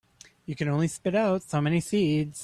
You can only spit out so many seeds.